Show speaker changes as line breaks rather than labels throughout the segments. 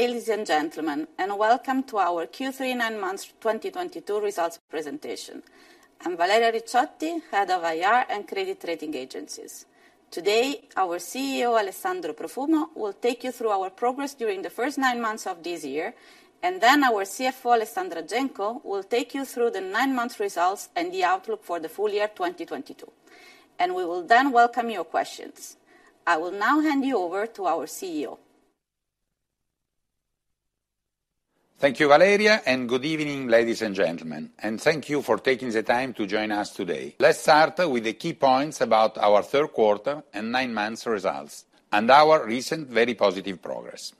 Ladies and gentlemen, welcome to our Q3 nine months 2022 results presentation. I'm Valeria Ricciotti, Head of IR and Credit Rating Agencies. Today, our CEO, Alessandro Profumo, will take you through our progress during the first nine months of this year, and then our CFO, Alessandra Genco, will take you through the nine-month results and the outlook for the full year of 2022. We will then welcome your questions. I will now hand you over to our CEO.
Thank you, Valeria, and good evening, ladies and gentlemen, and thank you for taking the time to join us today. Let's start with the key points about our third quarter and nine months results and our recent very positive progress.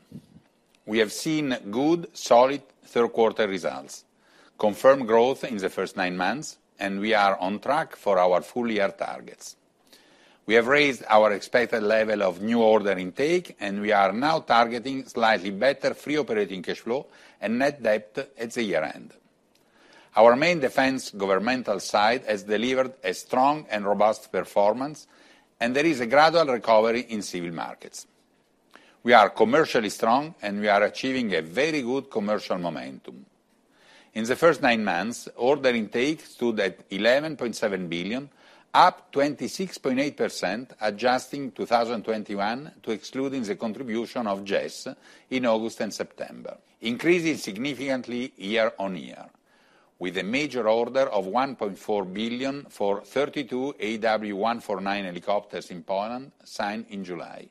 We have seen good, solid third quarter results, confirmed growth in the first nine months, and we are on track for our full year targets. We have raised our expected level of new order intake, and we are now targeting slightly better free operating cash flow and net debt at the year-end. Our main defense governmental side has delivered a strong and robust performance, and there is a gradual recovery in civil markets. We are commercially strong, and we are achieving a very good commercial momentum. In the first nine months, order intake stood at 11.7 billion, up 26.8%, adjusting 2021 to exclude the contribution of GES in August and September, increasing significantly year-on-year with a major order of 1.4 billion for 32 AW149 helicopters in Poland signed in July.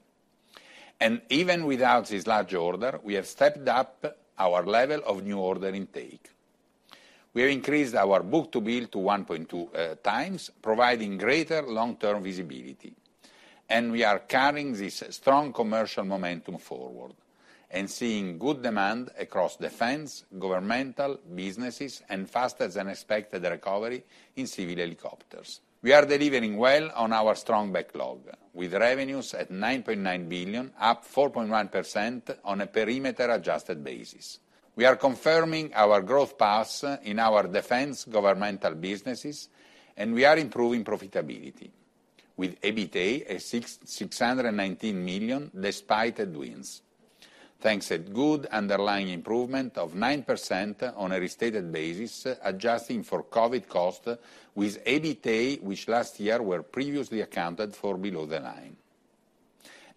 Even without this large order, we have stepped up our level of new order intake. We have increased our book-to-bill to 1.2x, providing greater long-term visibility, and we are carrying this strong commercial momentum forward and seeing good demand across defense, governmental, businesses, and faster than expected recovery in civil helicopters. We are delivering well on our strong backlog with revenues at 9.9 billion, up 4.1% on a perimeter-adjusted basis. We are confirming our growth path in our defense governmental businesses, and we are improving profitability with EBITDA at 619 million, despite headwinds, thanks to good underlying improvement of 9% on a restated basis, adjusting for COVID costs with EBITDA, which last year were previously accounted for below the line.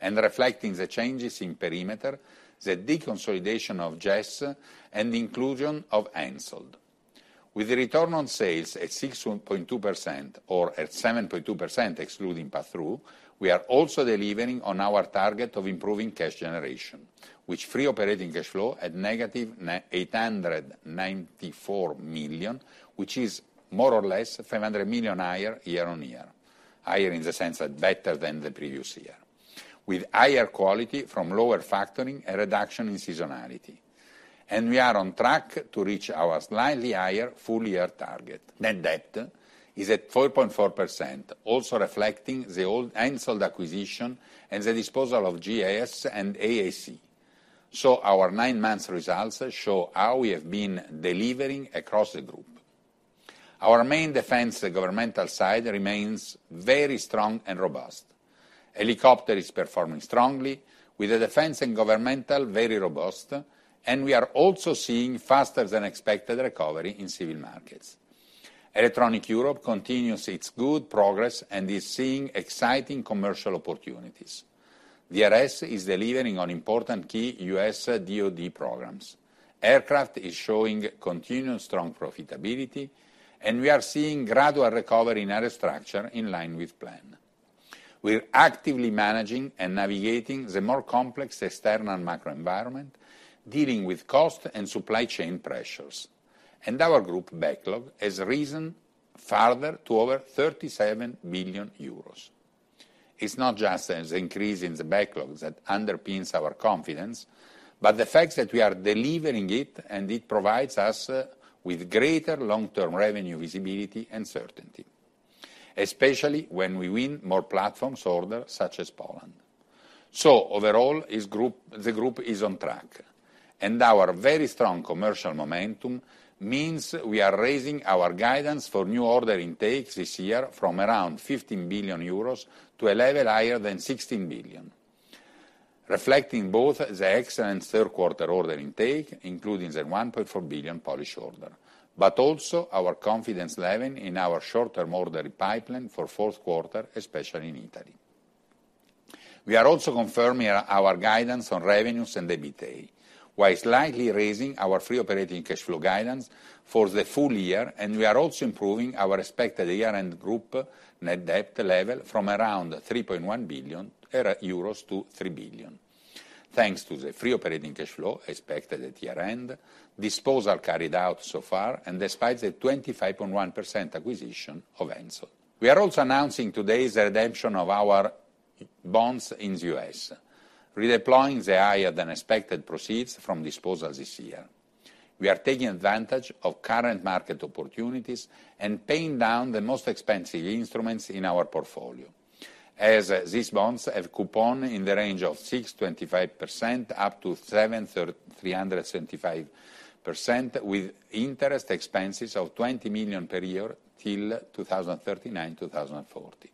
Reflecting the changes in perimeter, the deconsolidation of GES and the inclusion of Ansaldo. With the return on sales at 6.2% or at 7.2% excluding passthrough, we are also delivering on our target of improving cash generation, with free operating cash flow at -894 million, which is more or less 500 million higher year on year. Higher in the sense that better than the previous year, with higher quality from lower factoring, a reduction in seasonality. We are on track to reach our slightly higher full year target. Net debt is at 4.4%, also reflecting the old Ansaldo acquisition and the disposal of GES and AAC. Our nine-month results show how we have been delivering across the group. Our main defense and governmental side remains very strong and robust. Helicopter is performing strongly with the defense and governmental very robust, and we are also seeing faster than expected recovery in civil markets. Electronics Europe continues its good progress and is seeing exciting commercial opportunities. DRS is delivering on important key U.S. DoD programs. Aircraft is showing continuous strong profitability, and we are seeing gradual recovery in Aerostructures in line with plan. We're actively managing and navigating the more complex external macro environment, dealing with cost and supply chain pressures. Our group backlog has risen further to over 37 billion euros. It's not just an increase in the backlogs that underpins our confidence, but the fact that we are delivering it and it provides us with greater long-term revenue visibility and certainty, especially when we win more platform orders, such as Poland. Overall, this group, the group is on track, and our very strong commercial momentum means we are raising our guidance for new order intakes this year from around 15 billion euros to a level higher than 16 billion, reflecting both the excellent third quarter order intake, including the 1.4 billion Polish order, but also our confidence level in our short-term order pipeline for fourth quarter, especially in Italy. We are also confirming our guidance on revenues and EBITDA, while slightly raising our free operating cash flow guidance for the full year, and we are also improving our expected year-end group net debt level from around 3.1 billion-3 billion euros, thanks to the free operating cash flow expected at year-end, disposals carried out so far and despite the 25.1% acquisition of Ansaldo. We are also announcing today the redemption of our bonds in the U.S., redeploying the higher than expected proceeds from disposals this year. We are taking advantage of current market opportunities and paying down the most expensive instruments in our portfolio. As these bonds have coupon in the range of 6.25%-7.375% with interest expenses of 20 million per year till 2039, 2040.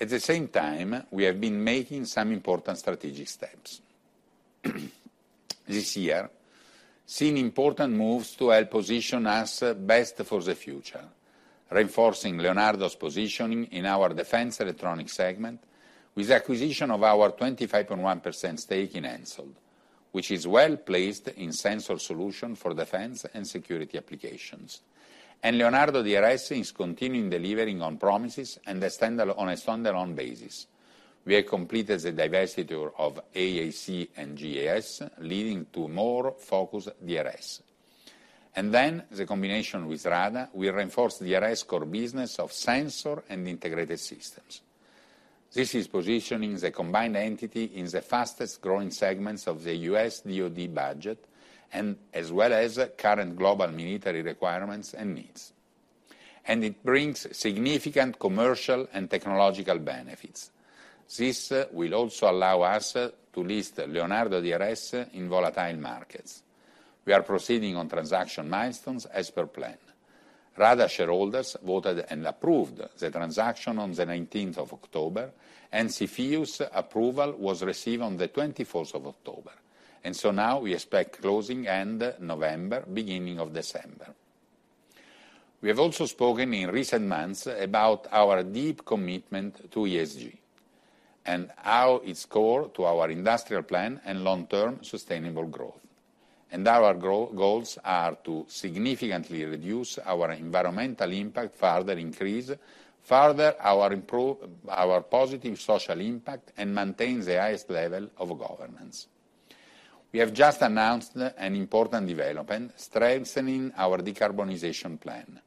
At the same time, we have been making some important strategic steps. This year, seen important moves to help position us best for the future, reinforcing Leonardo's positioning in our defense electronic segment with acquisition of our 25.1% stake in HENSOLDT, which is well placed in sensor solution for defense and security applications. Leonardo DRS is continuing delivering on promises and on a standalone basis. We have completed the divestiture of AAC and GES, leading to more focused DRS. The combination with RADA, we reinforce DRS core business of sensor and integrated systems. This is positioning the combined entity in the fastest-growing segments of the U.S. DoD budget, as well as current global military requirements and needs. It brings significant commercial and technological benefits. This will also allow us to list Leonardo DRS in volatile markets. We are proceeding on transaction milestones as per plan. RADA shareholders voted and approved the transaction on the October 19th and CFIUS approval was received on the October 24th. And so now we expect closing end November, beginning of December. We have also spoken in recent months about our deep commitment to ESG and how it's core to our industrial plan and long-term sustainable growth. And our goals are to significantly reduce our environmental impact further, increase, further our positive social impact, and maintain the highest level of governance. We just have announced an important development strengthening our decarbonisation plan.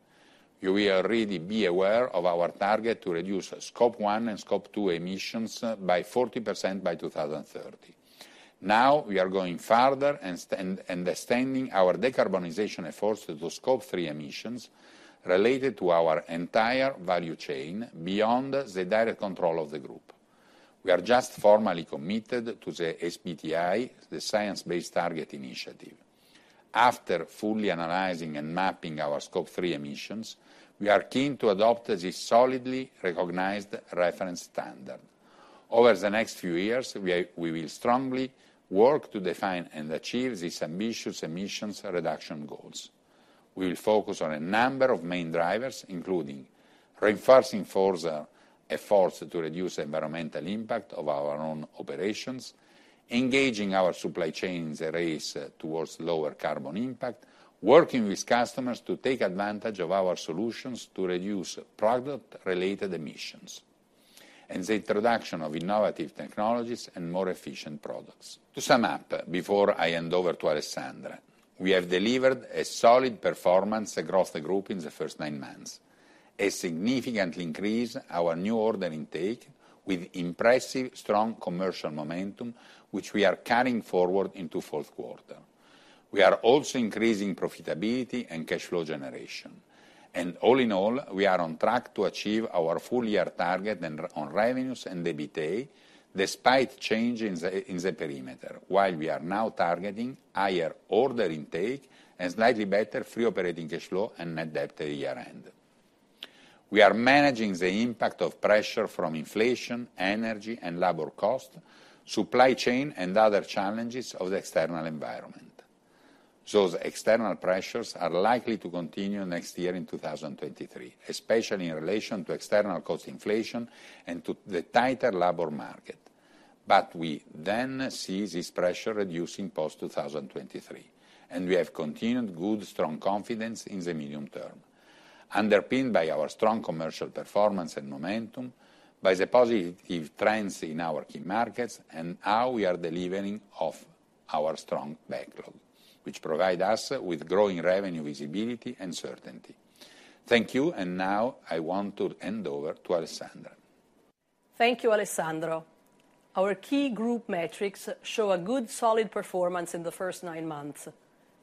You are really aware of our target to reduce Scope 1 and Scope 2 emissions by 40% by 2030. Now we are going further and extending our decarbonisation efforts to the Scope 3 emissions related to our entire value chain beyond the direct control of the group. We have just formally committed to the SBTi, the Science-Based Target Initiative. After fully analysing and mapping our Scope 3 emissions, we are keen to adopt this solidly recognised reference standard. Over the next few years, we will strongly work to define and achieve these ambitious emissions reduction goals. We will focus on a number of main drivers, including reinforcing forces to reduce the environmental impact of our own operations, engaging our supply chains race towards lower carbon impact, working with customers to take advantage of our solutions to reduce product-related emissions. And the introduction of innovative technologies and more efficient products. To sum up, before I hand over to Alessandra, we have delivered a solid performance across the group in the first nine months, a significant increase our new order intake with impressive strong commercial momentum, which we are carrying forward into fourth quarter. We are also increasing profitability and cash flow generation. And all in all, we are on track to achieve our full-year target on revenues and EBITDA, despite changes in the perimeter, while we are now targeting higher order intake and slightly better free operating cash flow and net debt at the year end. We are managing the impact of pressure from inflation, energy and labor costs, supply chain and other challenges of the external environment. So the external pressure are likely to continue next year in 2023, especially in relation to external cost inflation and to the tighter labor market. But we see this pressure reducing post-2023, and we have continued good strong confidence in the medium term, underpinned by our strong commercial performance and momentum, by the positive trends in our key markets and how we are delivering off our strong backlog, which provides us with growing revenue visibility and certainty. Thank you, and now I want to hand over to Alessandra.
Thank you, Alessandro. Our key group metrics show a good solid performance in the first nine months,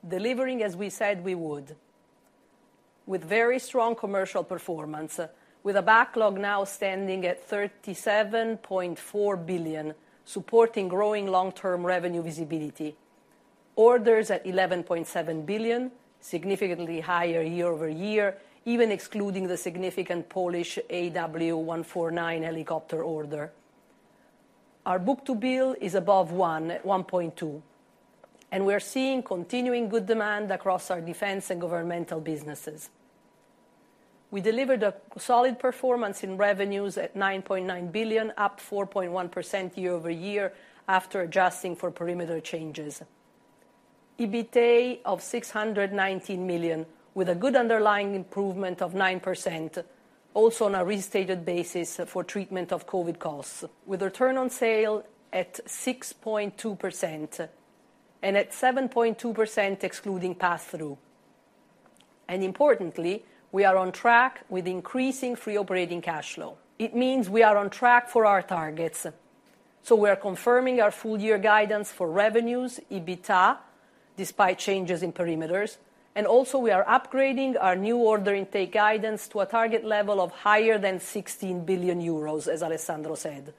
delivering as we said we would, with very strong commercial performance, with a backlog now standing at 37.4 billion, supporting growing long-term revenue visibility. Orders at 11.7 billion, significantly higher year-over-year, even excluding the significant Polish AW149 helicopter order. Our book-to-bill is above one at 1.2, and we're seeing continuing good demand across our defense and governmental businesses. We delivered a solid performance in revenues at 9.9 billion, up 4.1% year-over-year after adjusting for perimeter changes. EBITDA of 619 million, with a good underlying improvement of 9%, also on a restated basis for treatment of COVID costs, with return on sales at 6.2%, and at 7.2% excluding passthrough. Importantly, we are on track with increasing free operating cash flow. It means we are on track for our targets, so we're confirming our full-year guidance for revenues, EBITDA, despite changes in perimeters, and also we are upgrading our new order intake guidance to a target level of higher than 16 billion euros, as Alessandro said.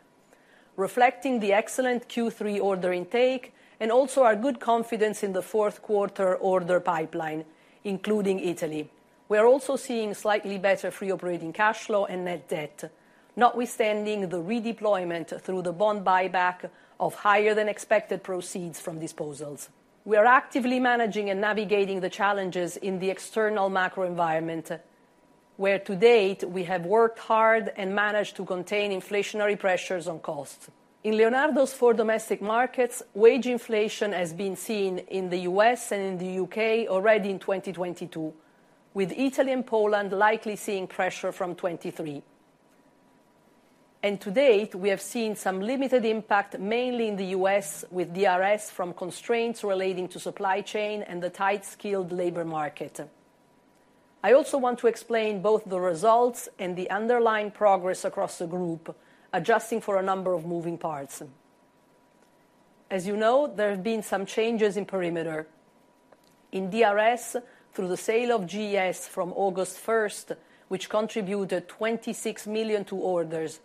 Reflecting the excellent Q3 order intake, and also our good confidence in the fourth quarter order pipeline, including Italy. We are also seeing slightly better free operating cash flow and net debt, notwithstanding the redeployment through the bond buyback of higher than expected proceeds from disposals. We are actively managing and navigating the challenges in the external macro environment, where to date, we have worked hard and managed to contain inflationary pressures on costs. In Leonardo's four domestic markets, wage inflation has been seen in the U.S. and in the U.K. already in 2022, with Italy and Poland likely seeing pressure from 2023. To date, we have seen some limited impact, mainly in the U.S., with DRS from constraints relating to supply chain and the tight skilled labor market. I also want to explain both the results and the underlying progress across the group, adjusting for a number of moving parts. As you know, there have been some changes in perimeter. In DRS, through the sale of GES from August 1, which contributed 26 million to orders,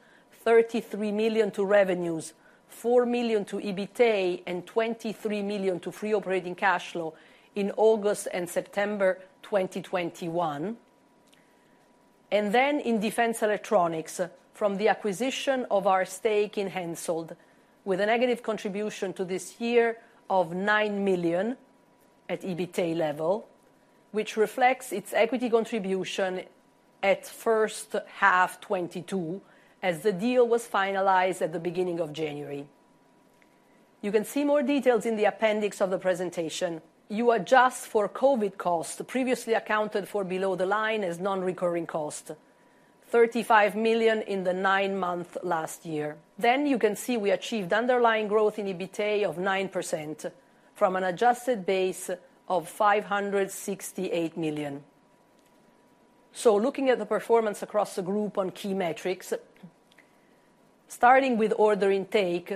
33 million to revenues, 4 million to EBITDA, and 23 million to free operating cash flow in August and September 2021. In defense electronics, from the acquisition of our stake in HENSOLDT, with a negative contribution to this year of 9 million at EBITDA level, which reflects its equity contribution at first half 2022, as the deal was finalized at the beginning of January. You can see more details in the appendix of the presentation. You adjust for COVID costs previously accounted for below the line as non-recurring cost, 35 million in the nine-month last year. You can see we achieved underlying growth in EBITDA of 9% from an adjusted base of 568 million. Looking at the performance across the group on key metrics, starting with order intake,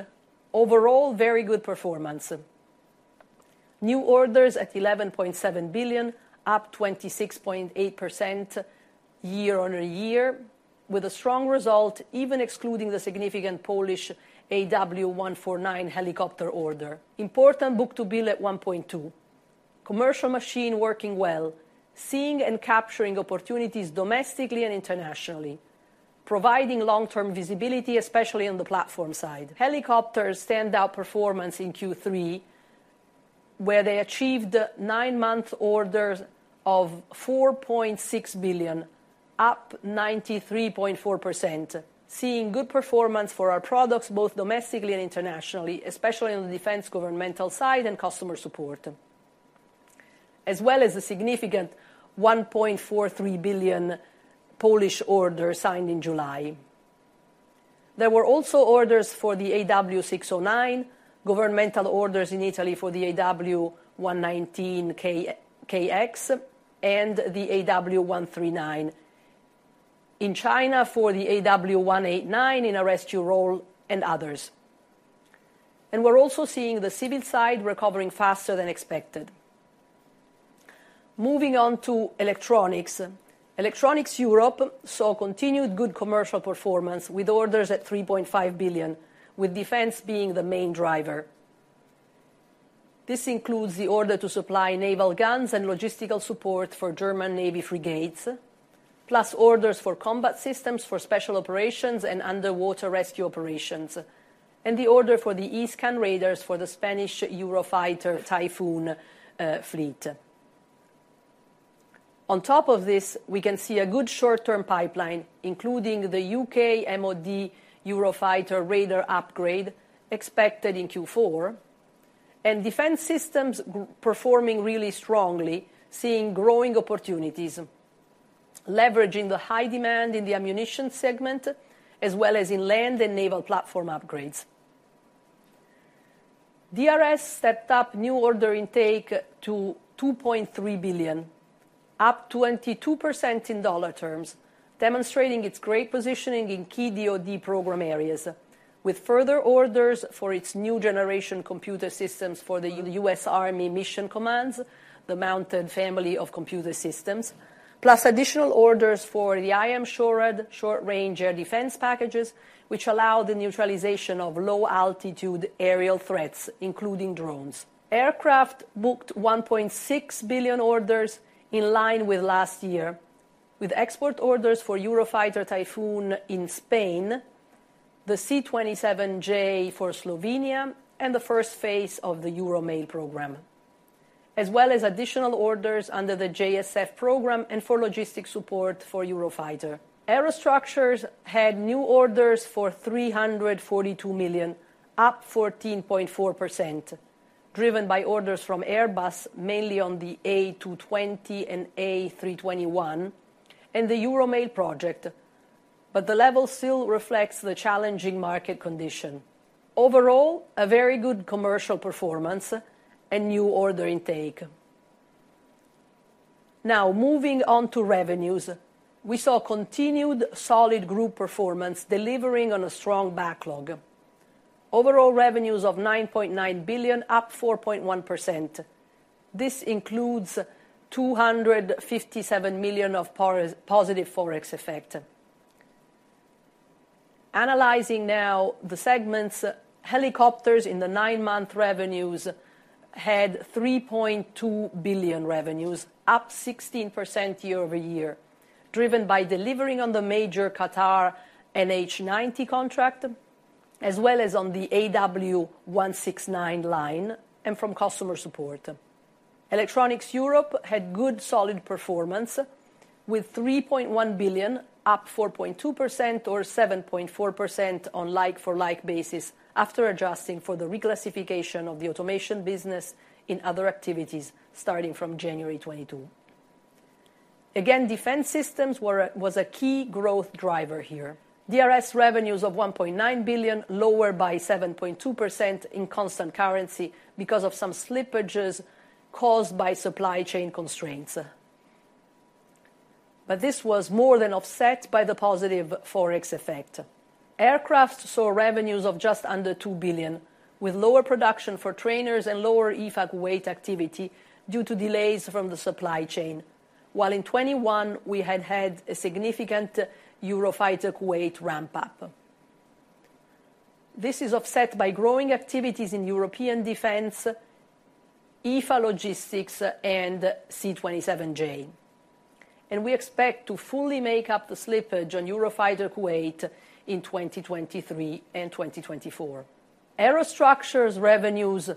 overall, very good performance. New orders at 11.7 billion, up 26.8% year-over-year, with a strong result, even excluding the significant Polish AW149 helicopter order. Important book-to-bill at 1.2. Commercial machine working well, seeing and capturing opportunities domestically and internationally, providing long-term visibility, especially on the platform side. Helicopters' standout performance in Q3, where they achieved nine-month orders of 4.6 billion, up 93.4%, seeing good performance for our products, both domestically and internationally, especially on the defense governmental side and customer support, as well as a significant 1.43 billion Polish order signed in July. There were also orders for the AW609, governmental orders in Italy for the AW119Kx, and the AW139. In China for the AW189 in a rescue role and others. We're also seeing the civil side recovering faster than expected. Moving on to electronics. Electronics Europe saw continued good commercial performance with orders at 3.5 billion, with defense being the main driver. This includes the order to supply naval guns and logistical support for German Navy frigates, plus orders for combat systems for special operations and underwater rescue operations, and the order for the E-Scan radars for the Spanish Eurofighter Typhoon fleet. On top of this, we can see a good short-term pipeline, including the U.K. MoD Eurofighter radar upgrade expected in Q4, and defense systems performing really strongly, seeing growing opportunities, leveraging the high demand in the ammunition segment as well as in land and naval platform upgrades. DRS stepped up new order intake to $2.3 billion, up 22% in dollar terms, demonstrating its great positioning in key DoD program areas, with further orders for its new generation computer systems for the U.S. Army Mission Command, the Mounted Family of Computer Systems, plus additional orders for the IM-SHORAD short-range air defense packages, which allow the neutralization of low altitude aerial threats, including drones. Aircraft booked 1.6 billion orders in line with last year, with export orders for Eurofighter Typhoon in Spain, the C-27J for Slovenia, and the first phase of the EuroMALE program, as well as additional orders under the JSF program and for logistics support for Eurofighter. Aerostructures had new orders for 342 million, up 14.4%, driven by orders from Airbus, mainly on the A220 and A321, and the EuroMALE project. The level still reflects the challenging market condition. Overall, a very good commercial performance and new order intake. Now, moving on to revenues. We saw continued solid group performance delivering on a strong backlog. Overall revenues of 9.9 billion, up 4.1%. This includes 257 million of positive forex effect. Analyzing now the segments, helicopters in the nine-month revenues had 3.2 billion revenues, up 16% year-over-year, driven by delivering on the major Qatar NH90 contract, as well as on the AW169 line and from customer support. Electronics Europe had good solid performance with 3.1 billion, up 4.2% or 7.4% on like-for-like basis after adjusting for the reclassification of the automation business in other activities starting from January 2022. Again, defense systems were a key growth driver here. DRS revenues of 1.9 billion, lower by 7.2% in constant currency because of some slippages caused by supply chain constraints. This was more than offset by the positive Forex effect. Aircraft saw revenues of just under 2 billion, with lower production for trainers and lower EFA Kuwait activity due to delays from the supply chain. While in 2021, we had a significant Eurofighter Kuwait ramp up. This is offset by growing activities in European defense, EFA logistics and C-27J. We expect to fully make up the slippage on Eurofighter Kuwait in 2023 and 2024. Aerostructures revenues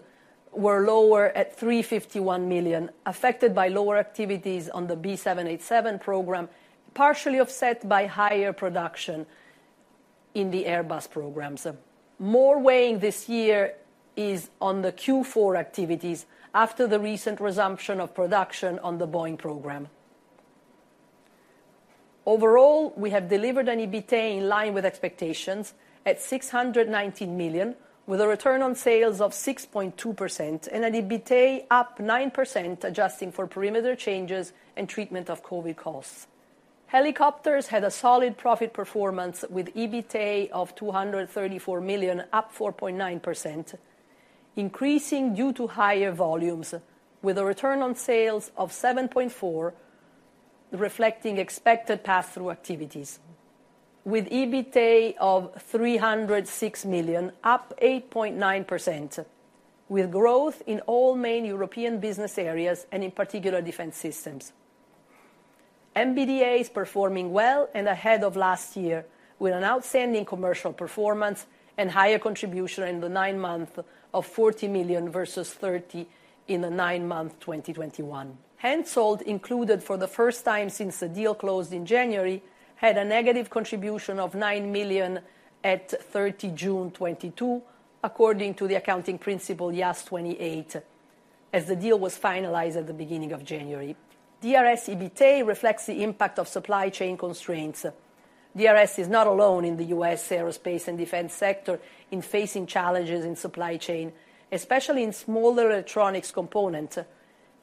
were lower at 351 million, affected by lower activities on the B787 program, partially offset by higher production in the Airbus programs. More weighting this year is on the Q4 activities after the recent resumption of production on the Boeing program. Overall, we have delivered an EBITDA in line with expectations at 619 million, with a return on sales of 6.2% and an EBITDA up 9%, adjusting for perimeter changes and treatment of COVID costs. Helicopters had a solid profit performance with EBITA of 234 million, up 4.9%, increasing due to higher volumes with a return on sales of 7.4%, reflecting expected passthrough activities. With EBITDA of 306 million, up 8.9%, with growth in all main European business areas and in particular defense systems. MBDA is performing well and ahead of last year with an outstanding commercial performance and higher contribution in the nine months of 40 million versus 30 million in the nine months 2021. HENSOLDT included for the first time since the deal closed in January, had a negative contribution of 9 million at June 30, 2022, according to the accounting principle IAS 28, as the deal was finalized at the beginning of January. DRS EBITDA reflects the impact of supply chain constraints. DRS is not alone in the U.S. aerospace and defense sector in facing challenges in supply chain, especially in smaller electronics components.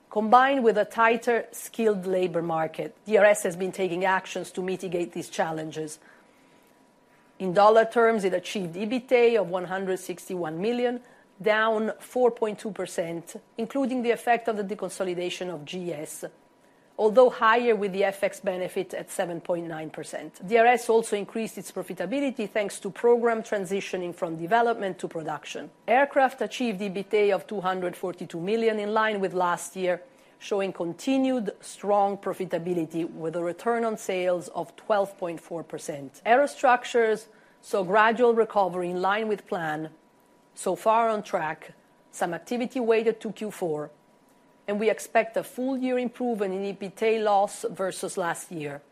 Combined with a tighter skilled labor market, DRS has been taking actions to mitigate these challenges. In dollar terms, it achieved EBITDA of $161 million, down 4.2%, including the effect of the deconsolidation of GES, although higher with the FX benefit at 7.9%. DRS also increased its profitability thanks to program transitioning from development to production. Aircraft achieved EBITDA of 242 million in line with last year, showing continued strong profitability with a return on sales of 12.4%. Aerostructures saw gradual recovery in line with plan, so far on track, some activity weighted to Q4, and we expect a full-year improvement in EBITDA loss versus last year.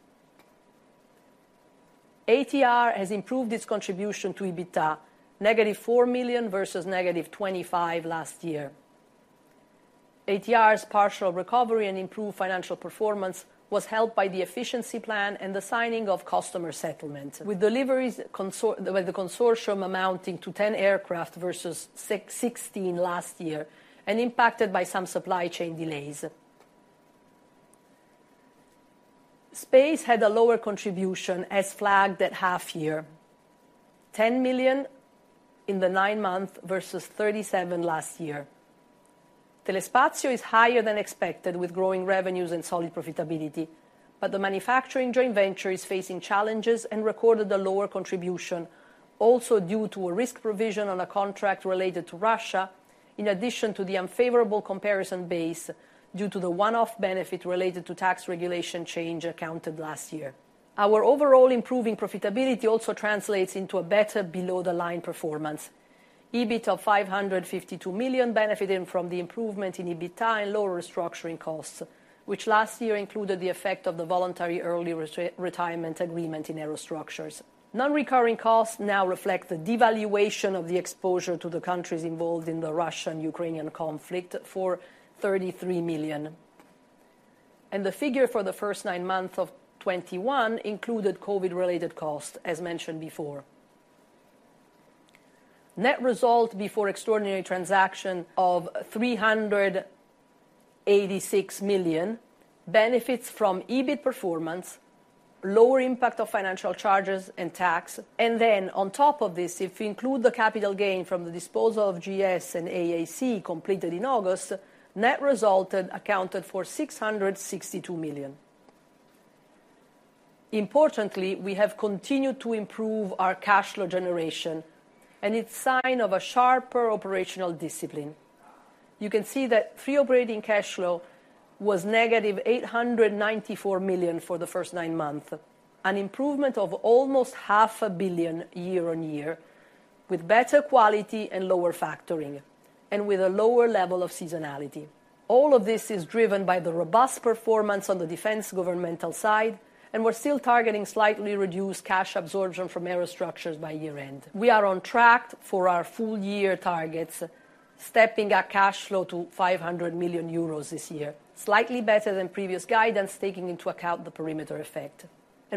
ATR has improved its contribution to EBITDA, -4 million versus -25 last year. ATR's partial recovery and improved financial performance was helped by the efficiency plan and the signing of customer settlement. With deliveries with the consortium amounting to 10 aircraft versus 16 last year and impacted by some supply chain delays. Space had a lower contribution as flagged at half year. 10 million in the nine months versus 37 million last year. Telespazio is higher than expected with growing revenues and solid profitability, but the manufacturing joint venture is facing challenges and recorded a lower contribution also due to a risk provision on a contract related to Russia, in addition to the unfavorable comparison base due to the one-off benefit related to tax regulation change accounted last year. Our overall improving profitability also translates into a better below-the-line performance. EBITDA of 552 million benefiting from the improvement in EBITDA and lower restructuring costs, which last year included the effect of the voluntary early retirement agreement in Aerostructures. Non-recurring costs now reflect the devaluation of the exposure to the countries involved in the Russian-Ukrainian conflict for 33 million. The figure for the first nine months of 2021 included COVID-related costs, as mentioned before. Net result before extraordinary transaction of 386 million benefits from EBIT performance, lower impact of financial charges and tax. On top of this, if we include the capital gain from the disposal of GES and AAC completed in August, net result accounted for 662 million. Importantly, we have continued to improve our cash flow generation and it's a sign of a sharper operational discipline. You can see that free operating cash flow was -894 million for the first nine months, an improvement of almost half a billion year-on-year, with better quality and lower factoring and with a lower level of seasonality. All of this is driven by the robust performance on the defense governmental side, and we're still targeting slightly reduced cash absorption from Aerostructures by year-end. We are on track for our full year targets, stepping our cash flow to 500 million euros this year, slightly better than previous guidance, taking into account the perimeter effect.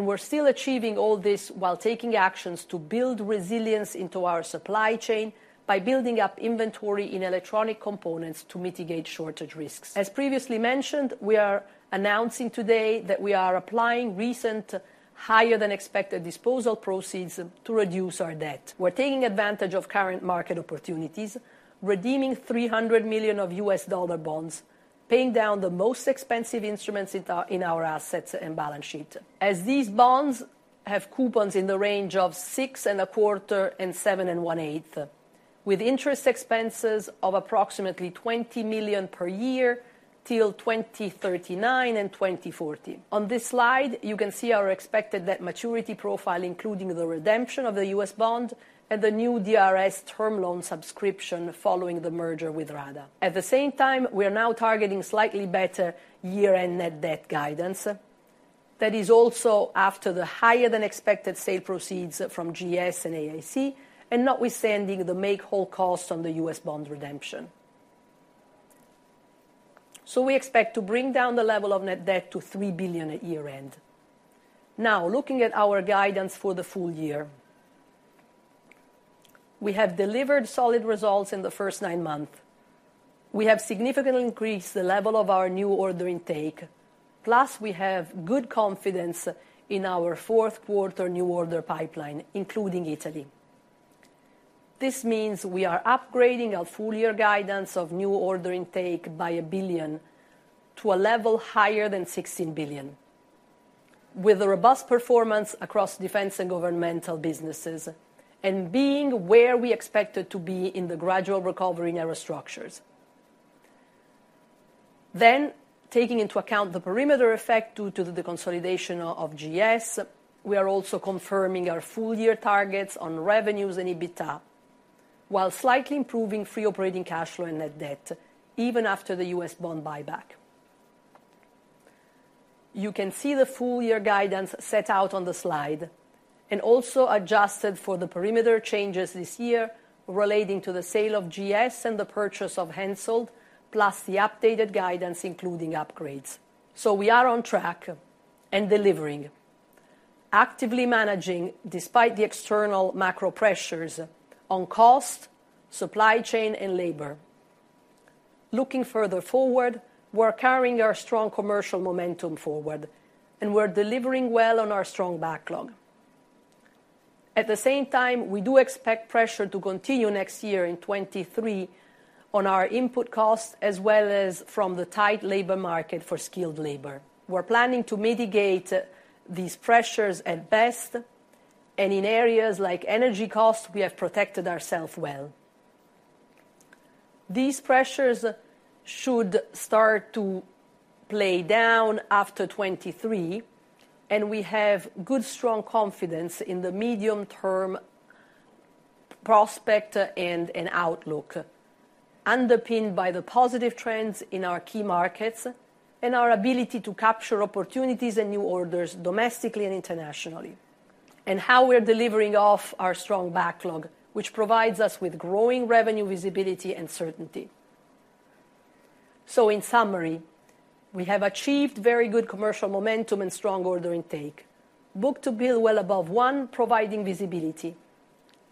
We're still achieving all this while taking actions to build resilience into our supply chain by building up inventory in electronic components to mitigate shortage risks. As previously mentioned, we are announcing today that we are applying recent higher than expected disposal proceeds to reduce our debt. We're taking advantage of current market opportunities, redeeming $300 million of U.S. dollar bonds, paying down the most expensive instruments in our assets and balance sheet. These bonds have coupons in the range of 6.25%-7.125%, with interest expenses of approximately 20 million per year till 2039 and 2040. On this slide, you can see our expected net maturity profile, including the redemption of the U.S. bond and the new DRS term loan subscription following the merger with RADA. At the same time, we are now targeting slightly better year-end net debt guidance. That is also after the higher than expected sale proceeds from GS and AAC, and notwithstanding the make whole cost on the U.S. bond redemption. We expect to bring down the level of net debt to 3 billion at year-end. Now, looking at our guidance for the full year. We have delivered solid results in the first nine months. We have significantly increased the level of our new order intake, plus we have good confidence in our fourth quarter new order pipeline, including Italy. This means we are upgrading our full year guidance of new order intake by 1 billion to a level higher than 16 billion, with a robust performance across defense and governmental businesses and being where we expected to be in the gradual recovery in Aerostructures. Taking into account the perimeter effect due to the deconsolidation of GES, we are also confirming our full year targets on revenues and EBITDA, while slightly improving free operating cash flow and net debt even after the U.S. bond buyback. You can see the full year guidance set out on the slide and also adjusted for the perimeter changes this year relating to the sale of GES and the purchase of HENSOLDT, plus the updated guidance, including upgrades. We are on track and delivering, actively managing despite the external macro pressures on cost, supply chain and labor. Looking further forward, we're carrying our strong commercial momentum forward, and we're delivering well on our strong backlog. At the same time, we do expect pressure to continue next year in 2023 on our input costs, as well as from the tight labor market for skilled labor. We're planning to mitigate these pressures at best and in areas like energy costs, we have protected ourselves well. These pressures should start to lay down after 2023, and we have good, strong confidence in the medium term prospect and outlook, underpinned by the positive trends in our key markets and our ability to capture opportunities and new orders domestically and internationally, and how we're delivering off our strong backlog, which provides us with growing revenue, visibility and certainty. In summary, we have achieved very good commercial momentum and strong order intake. Book-to-bill well above one, providing visibility,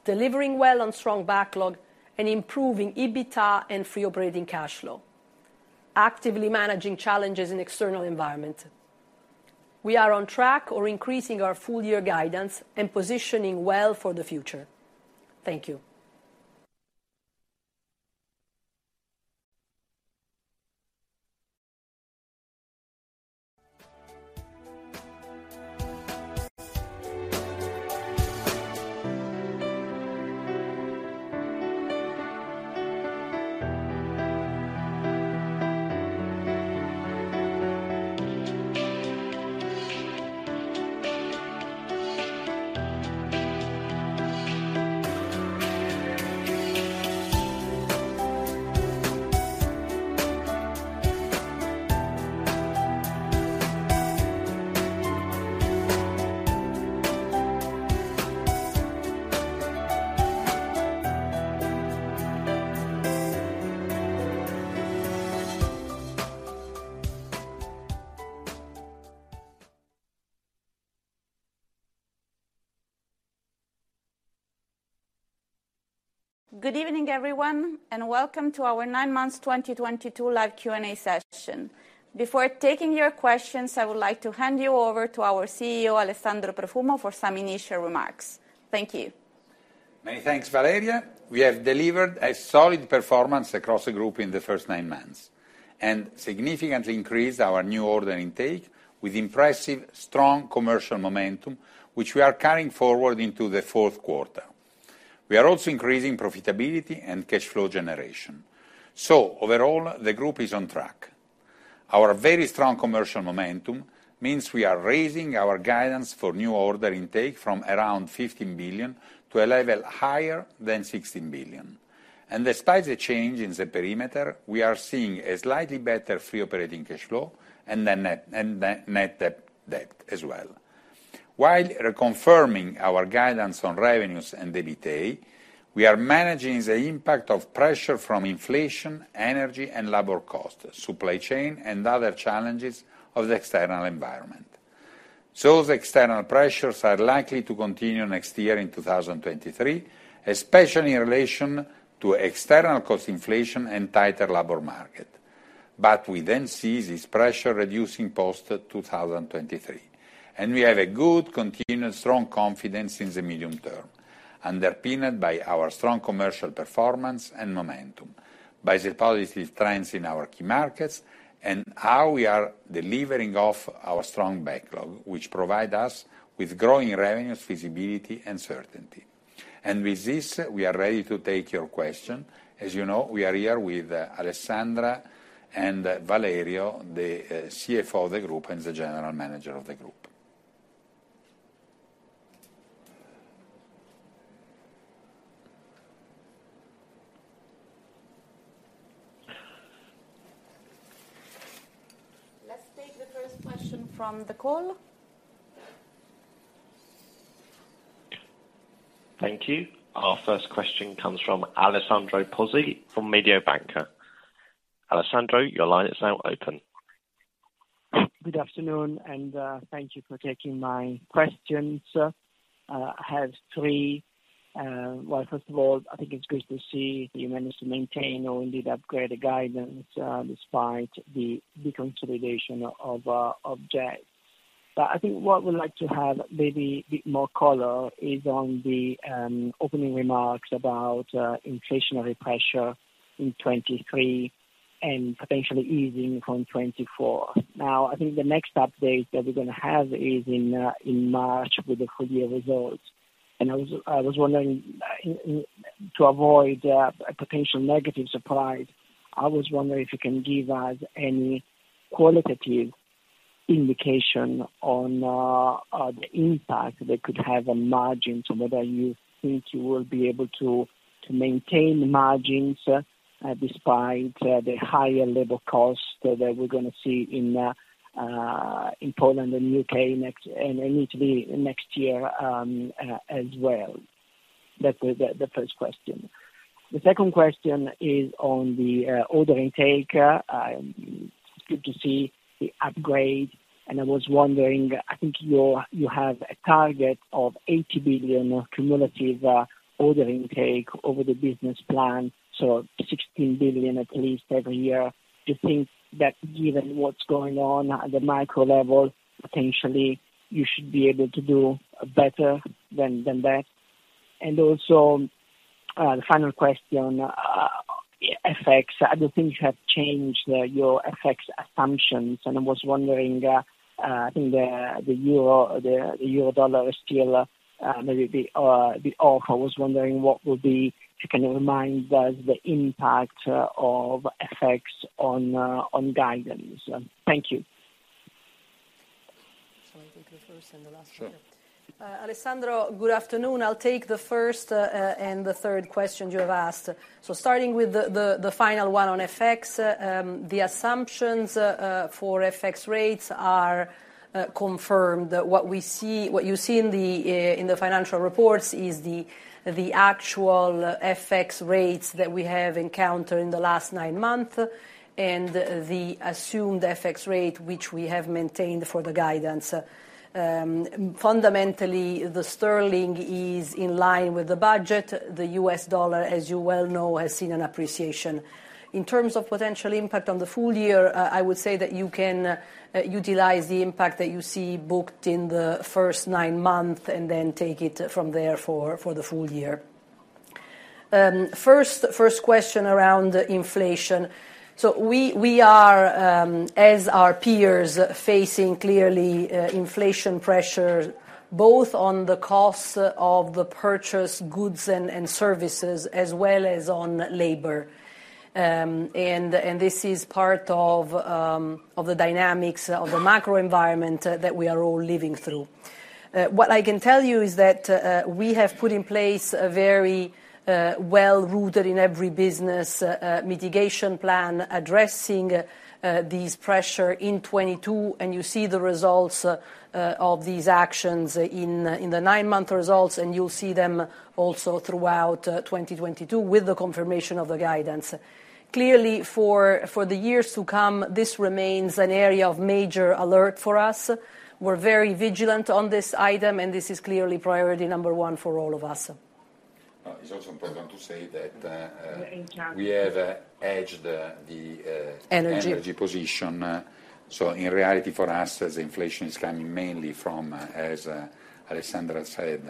delivering well on strong backlog and improving EBITDA and free operating cash flow, actively managing challenges in external environment. We are on track for increasing our full-year guidance and positioning well for the future. Thank you.
Good evening, everyone, and welcome to our nine months 2022 live Q&A session. Before taking your questions, I would like to hand over to our CEO, Alessandro Profumo, for some initial remarks. Thank you.
Many thanks, Valeria. We have delivered a solid performance across the group in the first nine months and significantly increased our new order intake with impressive, strong commercial momentum, which we are carrying forward into the fourth quarter. We are also increasing profitability and cash flow generation. Overall, the group is on track. Our very strong commercial momentum means we are raising our guidance for new order intake from around 15 billion to a level higher than 16 billion. Despite the change in the perimeter, we are seeing a slightly better free operating cash flow and net debt as well. While reconfirming our guidance on revenues and EBITDA, we are managing the impact of pressure from inflation, energy and labor costs, supply chain and other challenges of the external environment. The external pressures are likely to continue next year in 2023, especially in relation to external cost inflation and tighter labor market. We then see this pressure reducing post 2023. We have a good, continued, strong confidence in the medium term, underpinned by our strong commercial performance and momentum, by the positive trends in our key markets and how we are delivering of our strong backlog, which provide us with growing revenues, feasibility and certainty. With this, we are ready to take your question. As you know, we are here with Alessandra and Valerio, the CFO of the group and the general manager of the group.
Let's take the first question from the call.
Thank you. Our first question comes from Alessandro Pozzi from Mediobanca. Alessandro, your line is now open.
Good afternoon, thank you for taking my questions. I have three. Well, first of all, I think it's good to see you managed to maintain or indeed upgrade the guidance, despite the consolidation of GES. I think what we'd like to have maybe a bit more color is on the opening remarks about inflationary pressure in 2023 and potentially easing from 2024. Now, I think the next update that we're gonna have is in March with the full year results. I was wondering to avoid a potential negative surprise. I was wondering if you can give us any qualitative indication on the impact that could have on margins, whether you think you will be able to maintain margins despite the higher labor costs that we're gonna see in Poland and U.K. next, and Italy next year, as well. That was the first question. The second question is on the order intake. It's good to see the upgrade. I was wondering, I think you have a target of 80 billion cumulative order intake over the business plan, so 16 billion at least every year. Do you think that given what's going on at the micro level, potentially you should be able to do better than that? Also, the final question, FX. I don't think you have changed your FX assumptions, and I was wondering what would be if you can remind us the impact of FX on guidance. Thank you.
I take the first and the last question.
Sure.
Alessandro, good afternoon. I'll take the first and the third question you have asked. Starting with the final one on FX, the assumptions for FX rates are confirmed. What you see in the financial reports is the actual FX rates that we have encountered in the last nine months and the assumed FX rate, which we have maintained for the guidance. Fundamentally, the sterling is in line with the budget. The U.S. dollar, as you well know, has seen an appreciation. In terms of potential impact on the full year, I would say that you can utilize the impact that you see booked in the first nine months and then take it from there for the full year. First question around inflation. We are, as our peers, facing clearly inflation pressure, both on the costs of the purchased goods and services as well as on labor. This is part of the dynamics of the macro environment that we are all living through. What I can tell you is that we have put in place a very well rooted in every business mitigation plan addressing these pressure in 2022, and you see the results of these actions in the nine-month results, and you'll see them also throughout 2022 with the confirmation of the guidance. Clearly for the years to come, this remains an area of major alert for us. We're very vigilant on this item, and this is clearly priority number one for all of us.
It's also important to say that-
In China.
we have hedged the-
Energy.
In reality for us, as inflation is coming mainly from, as Alessandra said,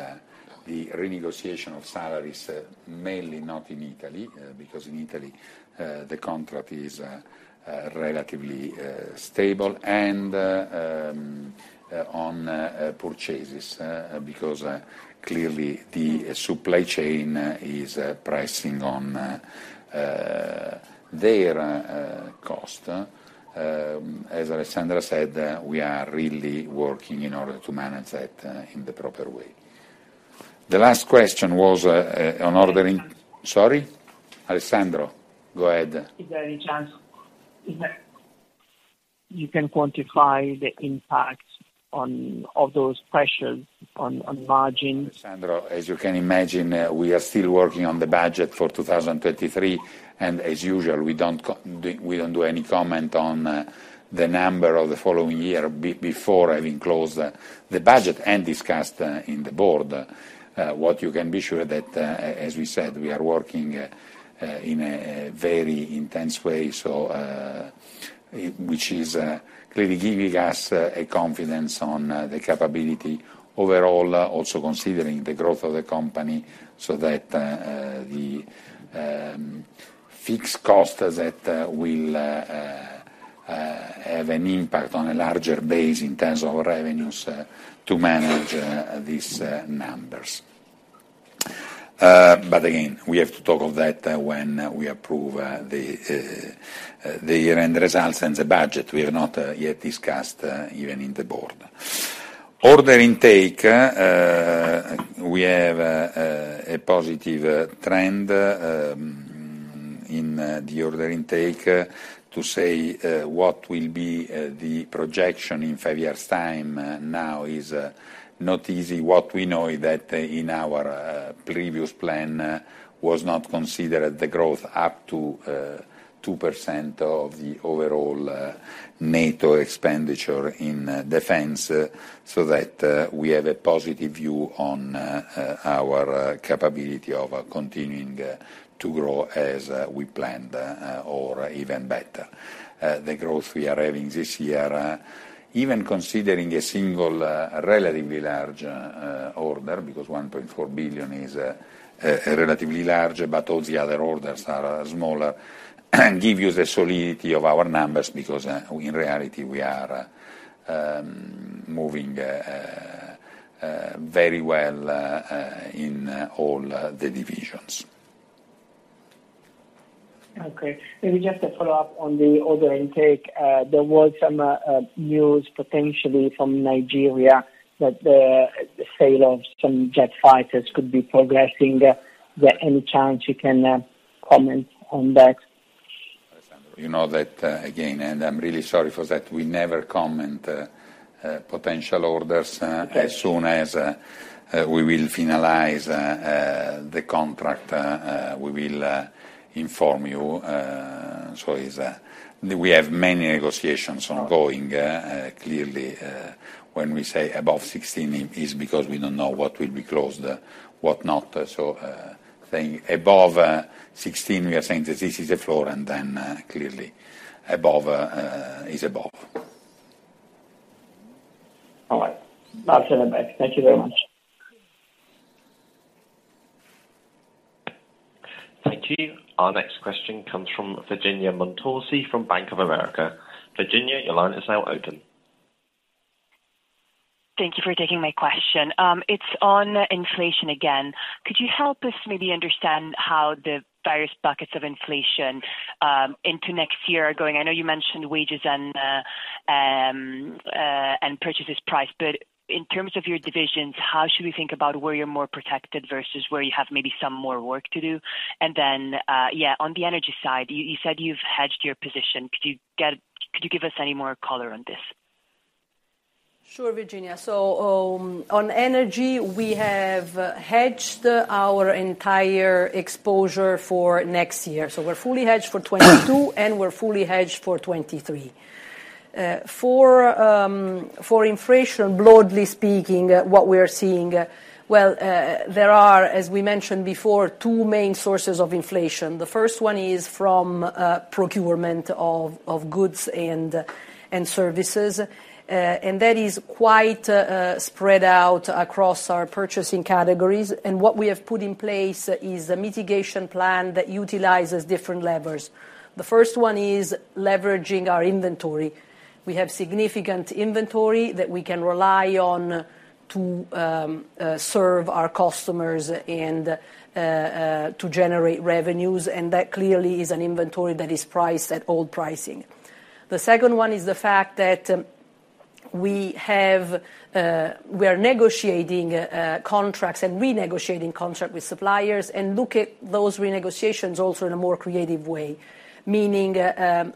the renegotiation of salaries, mainly not in Italy, because in Italy, the contract is relatively stable and on purchases, because clearly the supply chain is pricing on their cost. As Alessandra said, we are really working in order to manage that in the proper way. The last question was on ordering-
Is there any chance?
Sorry? Alessandro, go ahead.
Is there any chance you can quantify the impact on all those pressures on margin?
Alessandro, as you can imagine, we are still working on the budget for 2023, and as usual, we don't do any comment on the number of the following year before having closed the budget and discussed in the board. What you can be sure that, as we said, we are working in a very intense way, so which is really giving us a confidence on the capability overall, also considering the growth of the company so that the fixed costs that will have an impact on a larger base in terms of revenues to manage these numbers. Again, we have to talk of that when we approve the year-end results and the budget. We have not yet discussed even in the board. Order intake, we have a positive trend in the order intake. To say what will be the projection in five years' time now is not easy. What we know is that in our previous plan was not considered the growth up to 2% of the overall NATO expenditure in defense, so that we have a positive view on our capability of continuing to grow as we planned or even better. The growth we are having this year even considering a single relatively large order, because 1.4 billion is relatively large, but all the other orders are smaller, give you the solidity of our numbers, because in reality, we are moving very well in all the divisions.
Okay. Maybe just to follow up on the order intake, there was some news potentially from Nigeria that the sale of some jet fighters could be progressing. Is there any chance you can comment on that?
Alessandro, you know that again, and I'm really sorry for that, we never comment on potential orders.
Okay.
As soon as we will finalize the contract, we will inform you. As we have many negotiations ongoing. Clearly, when we say above 16, it is because we don't know what will be closed, what not. Saying above 16, we are saying that this is the floor and then, clearly above is above.
All right. I'll send it back. Thank you very much.
Thank you. Our next question comes from Virginia Montorsi from Bank of America. Virginia, your line is now open.
Thank you for taking my question. It's on inflation again. Could you help us maybe understand how the various buckets of inflation into next year are going? I know you mentioned wages and purchase price. But in terms of your divisions, how should we think about where you're more protected versus where you have maybe some more work to do? On the energy side, you said you've hedged your position. Could you give us any more color on this?
Sure, Virginia. On energy, we have hedged our entire exposure for next year. We're fully hedged for 2022, and we're fully hedged for 2023. For inflation, broadly speaking, what we're seeing, there are, as we mentioned before, two main sources of inflation. The first one is from procurement of goods and services, and that is quite spread out across our purchasing categories. What we have put in place is a mitigation plan that utilizes different levers. The first one is leveraging our inventory. We have significant inventory that we can rely on to serve our customers and to generate revenues, and that clearly is an inventory that is priced at old pricing. The second one is the fact that we are negotiating contracts and renegotiating contracts with suppliers and look at those renegotiations also in a more creative way. Meaning,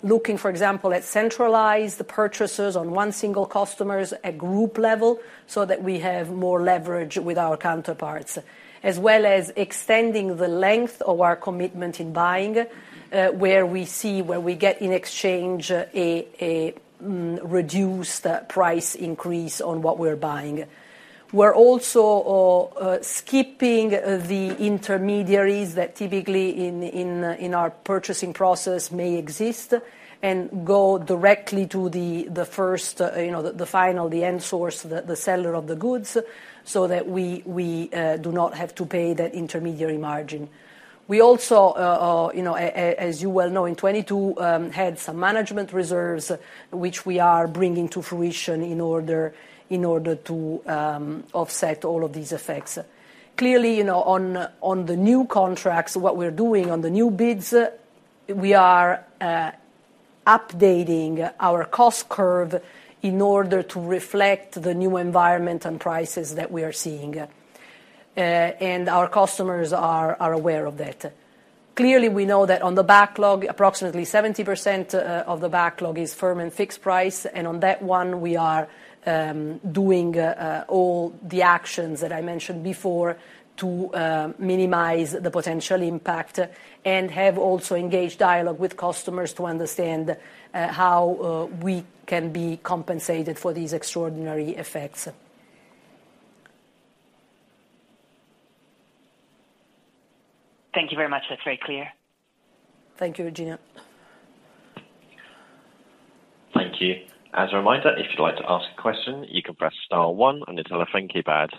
looking, for example, at centralized purchases for one single customer at group level so that we have more leverage with our counterparts. As well as extending the length of our commitment in buying, where we get in exchange a reduced price increase on what we're buying. We're also skipping the intermediaries that typically in our purchasing process may exist and go directly to the first, you know, the end source, the seller of the goods, so that we do not have to pay that intermediary margin. We also, you know, as you well know, in 2022, had some management reserves which we are bringing to fruition in order to offset all of these effects. Clearly, you know, on the new contracts, what we're doing on the new bids, we are updating our cost curve in order to reflect the new environment and prices that we are seeing. Our customers are aware of that. Clearly, we know that on the backlog, approximately 70% of the backlog is firm and fixed price, and on that one, we are doing all the actions that I mentioned before to minimize the potential impact, and have also engaged in dialogue with customers to understand how we can be compensated for these extraordinary effects.
Thank you very much. That's very clear.
Thank you, Virginia.
Thank you. As a reminder, if you'd like to ask a question, you can press star one on your teleconference pad.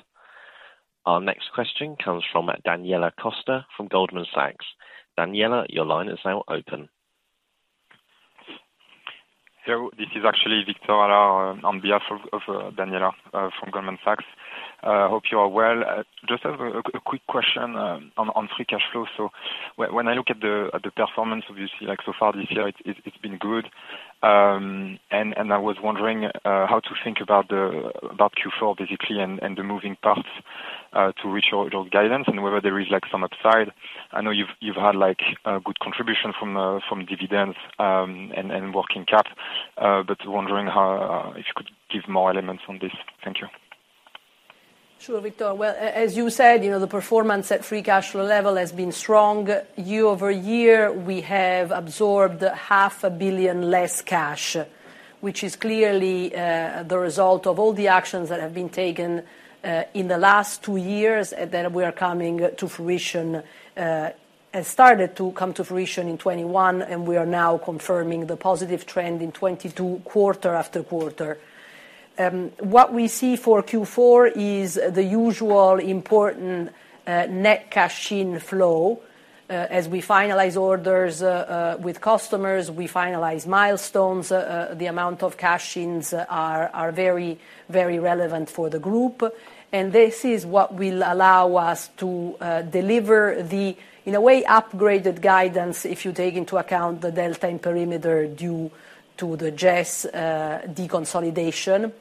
Our next question comes from Daniela Costa from Goldman Sachs. Daniela, your line is now open.
Hello, this is actually Victor Allard on behalf of Daniela from Goldman Sachs. Hope you are well. Just have a quick question on free cash flow. When I look at the performance, obviously, like so far this year, it's been good. I was wondering how to think about Q4 basically, and the moving parts to reach your guidance, and whether there is some upside. I know you've had a good contribution from dividends, and working cap, but wondering how, if you could give more elements on this. Thank you.
Sure, Victor. Well, as you said, you know, the performance at free cash flow level has been strong. Year-over-year, we have absorbed half a billion less cash, which is clearly the result of all the actions that have been taken in the last two years that we are coming to fruition and started to come to fruition in 2021, and we are now confirming the positive trend in 2022, quarter-after-quarter. What we see for Q4 is the usual important net cash inflow. As we finalize orders with customers, we finalize milestones. The amount of cash-ins are very, very relevant for the group. This is what will allow us to deliver the, in a way, upgraded guidance if you take into account the delta in perimeter due to the GES deconsolidation,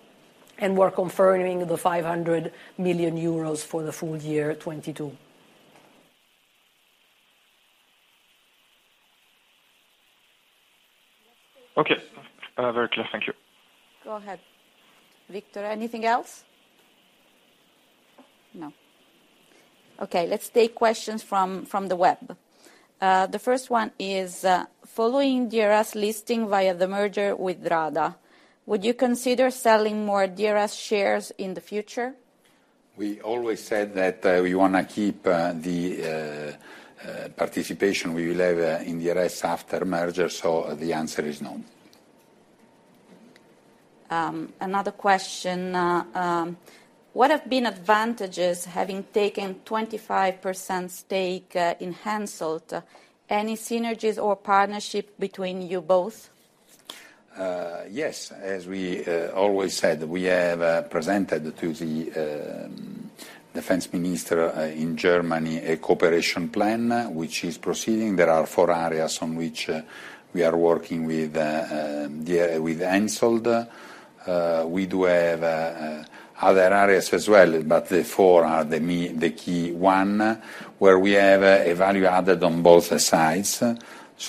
and we're confirming the 500 million euros for the full year 2022.
Okay. Very clear. Thank you.
Go ahead, Victor. Anything else? No. Okay, let's take questions from the web. The first one is, following DRS listing via the merger with RADA, would you consider selling more DRS shares in the future?
We always said that we wanna keep the participation we will have in DRS after merger, so the answer is no.
Another question. What have been advantages having taken 25% stake in HENSOLDT? Any synergies or partnership between you both?
Yes. As we always said, we have presented to the defense minister in Germany a cooperation plan which is proceeding. There are four areas on which we are working with HENSOLDT. We do have other areas as well, but the four are the key one where we have a value added on both sides.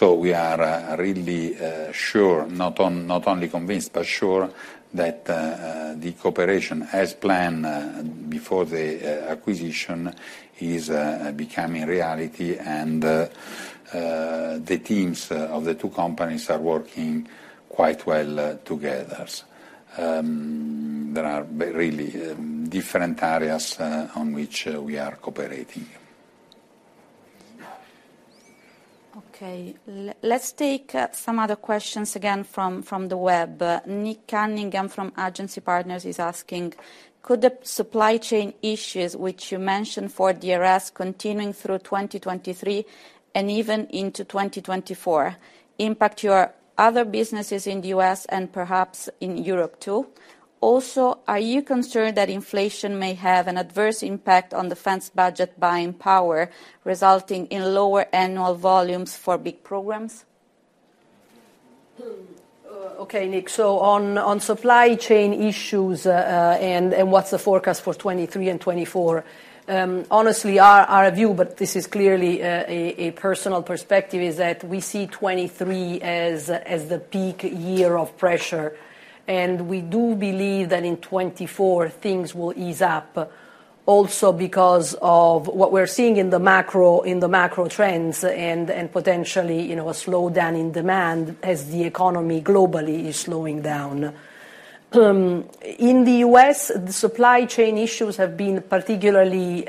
We are really sure, not only convinced, but sure that the cooperation as planned before the acquisition is becoming reality and the teams of the two companies are working quite well together. There are really different areas on which we are cooperating.
Okay. Let's take some other questions again from the web. Nick Cunningham from Agency Partners is asking, could the supply chain issues which you mentioned for DRS continuing through 2023 and even into 2024 impact your other businesses in the U.S. and perhaps in Europe too? Also, are you concerned that inflation may have an adverse impact on defense budget buying power resulting in lower annual volumes for big programs?
Okay, Nick. On supply chain issues and what's the forecast for 2023 and 2024, honestly, our view, but this is clearly a personal perspective, is that we see 2023 as the peak year of pressure. We do believe that in 2024 things will ease up. Also because of what we're seeing in the macro trends and potentially, you know, a slowdown in demand as the economy globally is slowing down. In the U.S., the supply chain issues have been particularly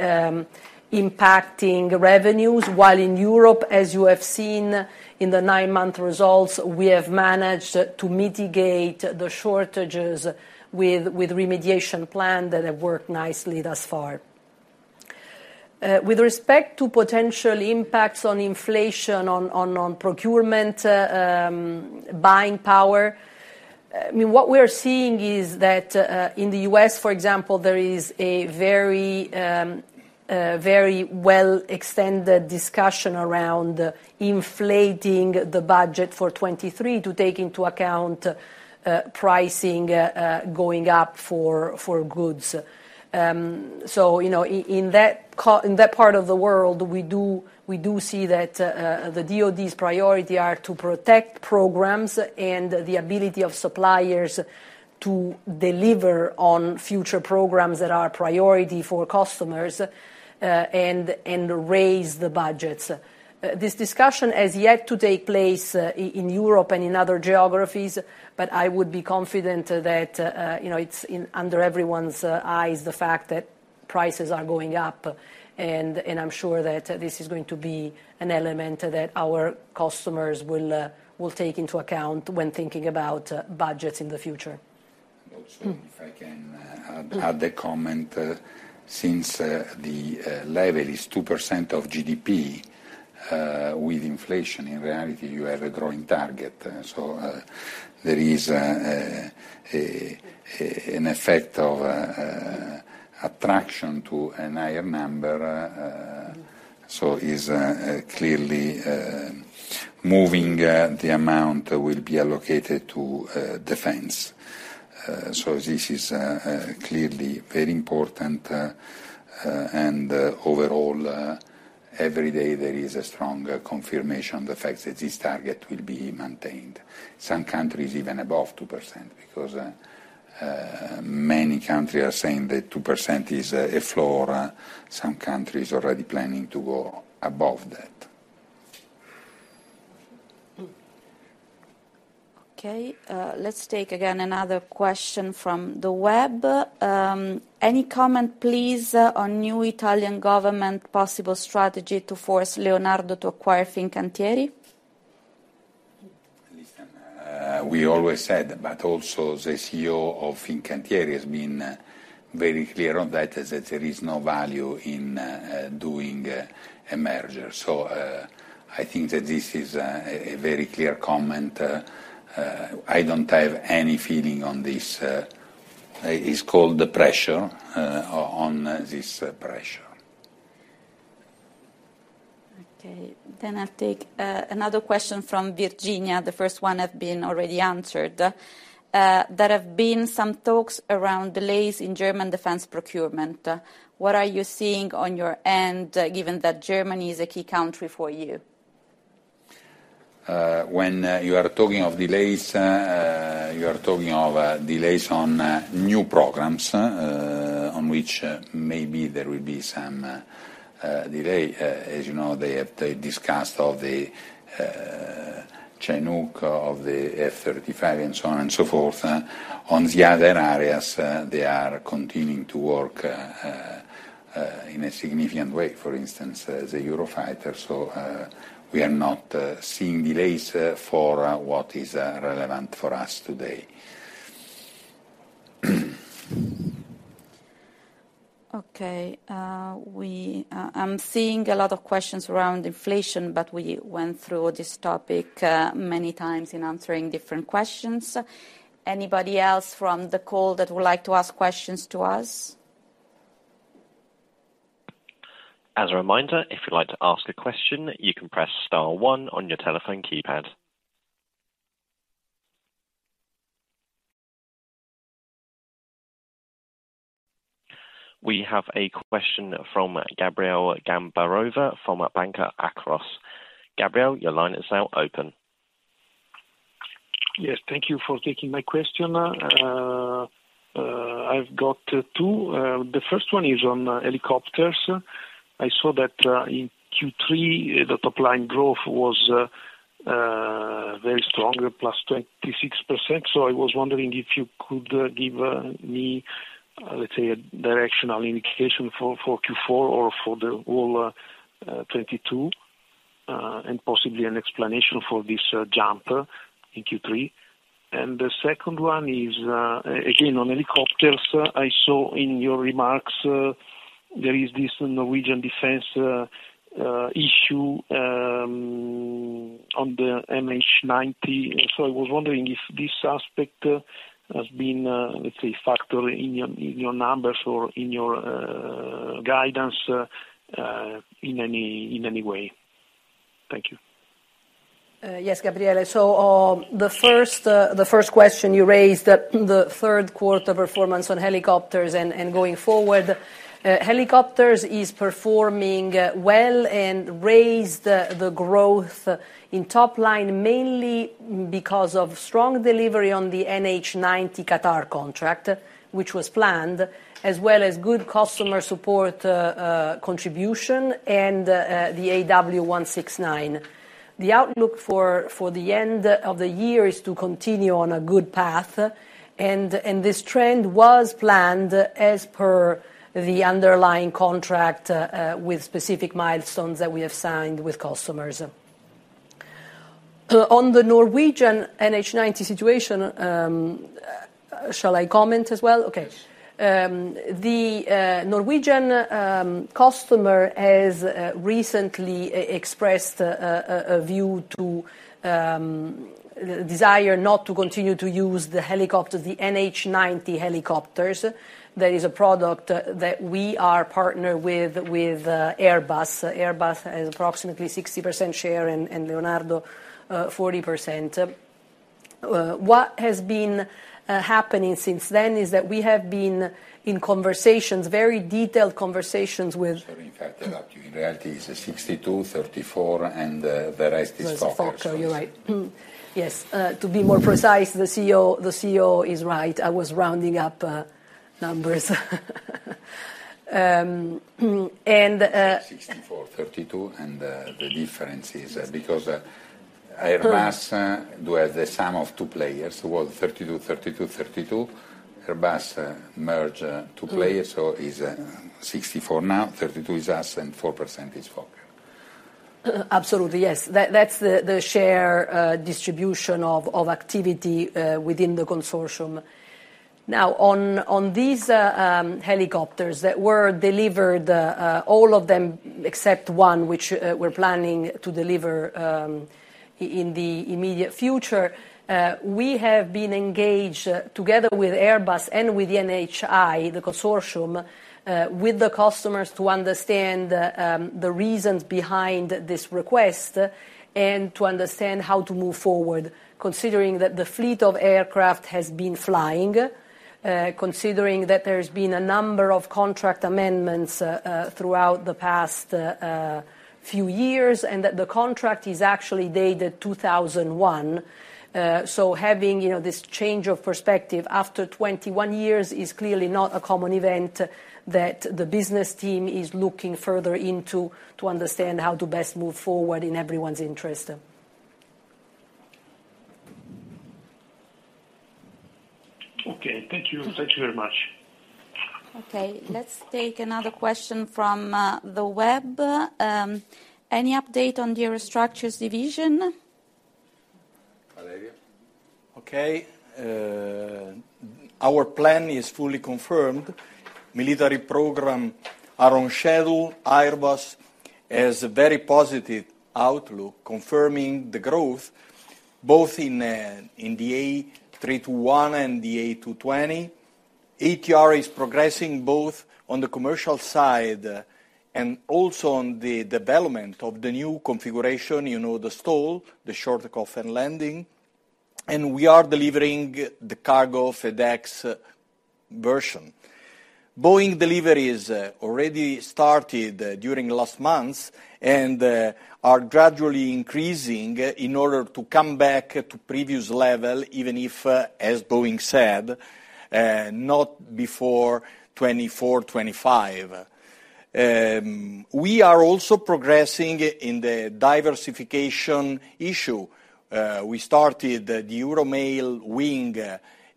impacting revenues, while in Europe, as you have seen in the nine-month results, we have managed to mitigate the shortages with remediation plans that have worked nicely thus far. With respect to potential impacts of inflation on procurement, buying power, I mean, what we're seeing is that in the U.S., for example, there is a very extensive discussion around inflating the budget for 2023 to take into account pricing going up for goods. You know, in that part of the world, we see that the DoD's priority are to protect programs and the ability of suppliers to deliver on future programs that are priority for customers, and raise the budgets. This discussion has yet to take place in Europe and in other geographies, but I would be confident that, you know, it's under everyone's eyes, the fact that prices are going up. I'm sure that this is going to be an element that our customers will take into account when thinking about budgets in the future.
Also, if I can add a comment. Since the level is 2% of GDP, with inflation, in reality you have a growing target. There is an effect of attraction to a higher number, so it's clearly moving the amount that will be allocated to defense. This is clearly very important. Overall, every day there is a stronger confirmation, the fact that this target will be maintained. Some countries even above 2% because many countries are saying that 2% is a floor. Some countries already planning to go above that.
Okay. Let's take again another question from the web. Any comment, please, on new Italian government possible strategy to force Leonardo to acquire Fincantieri?
Listen, we always said, but also the CEO of Fincantieri has been very clear on that, is that there is no value in doing a merger. I think that this is a very clear comment. I don't have any feeling on this. It's called the pressure on this pressure.
Okay. I'll take another question from Virginia. The first one have been already answered. There have been some talks around delays in German defense procurement. What are you seeing on your end, given that Germany is a key country for you?
When you are talking of delays on new programs on which maybe there will be some delay. As you know, they have discussed of the Chinook, of the F-35 and so on and so forth. On the other areas, they are continuing to work in a significant way, for instance, as a Eurofighter. We are not seeing delays for what is relevant for us today.
Okay. I'm seeing a lot of questions around inflation, but we went through this topic many times in answering different questions. Anybody else from the call that would like to ask questions to us?
As a reminder, if you'd like to ask a question, you can press star one on your telephone keypad. We have a question from Gabriele Gambarova from Banca Akros. Gabriele, your line is now open.
Yes, thank you for taking my question. I've got two. The first one is on helicopters. I saw that in Q3, the top line growth was very strong, at +26%. I was wondering if you could give me, let's say, a directional indication for Q4 or for the whole 2022, and possibly an explanation for this jump in Q3. The second one is, again, on helicopters. I saw in your remarks, there is this Norwegian defense issue on the NH90. I was wondering if this aspect has been, let's say, factored in your numbers or in your guidance, in any way. Thank you.
Yes, Gabriele. The first question you raised, the third quarter performance on helicopters and going forward, helicopters is performing well and raised the growth in top line, mainly because of strong delivery on the NH90 Qatar contract, which was planned, as well as good customer support contribution and the AW169. The outlook for the end of the year is to continue on a good path and this trend was planned as per the underlying contract with specific milestones that we have signed with customers. On the Norwegian NH90 situation, shall I comment as well? Okay. The Norwegian customer has recently expressed a view to desire not to continue to use the NH90 helicopters. That is a product that we are partnered with Airbus. Airbus has approximately 60% share and Leonardo 40%. What has been happening since then is that we have been in conversations, very detailed conversations with-
Sorry to interrupt you. In reality, it's 62%, 34%, and the rest is Fokker.
It's Fokker, you're right. Yes. To be more precise, the CEO is right. I was rounding up numbers.
64%, 32%, and the difference is because Airbus were the sum of two players, were 32%. Airbus merged two players, so is 64% now, 32% is us, and 4% is Fokker.
Absolutely, yes. That's the share distribution of activity within the consortium. Now, on these helicopters that were delivered, all of them except one, which we're planning to deliver in the immediate future, we have been engaged, together with Airbus and with NHI, the consortium, with the customers to understand the reasons behind this request and to understand how to move forward, considering that the fleet of aircraft has been flying, considering that there's been a number of contract amendments throughout the past few years, and that the contract is actually dated 2001. Having, you know, this change of perspective after 21 years is clearly not a common event that the business team is looking further into to understand how to best move forward in everyone's interest.
Okay. Thank you. Thank you very much.
Okay, let's take another question from the web. Any update on the Aerostructures division?
Valerio.
Okay. Our plan is fully confirmed. Military program are on schedule. Airbus has a very positive outlook, confirming the growth, both in the A321 and the A220. ATR is progressing both on the commercial side and also on the development of the new configuration, you know, the STOL, the short take-off and landing, and we are delivering the cargo FedEx version. Boeing delivery is already started during last month and are gradually increasing in order to come back to previous level, even if, as Boeing said, not before 2024, 2025. We are also progressing in the diversification issue. We started the EuroMALE wing